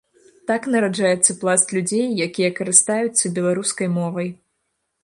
Так нараджаецца пласт людзей, якія карыстаюцца беларускай мовай.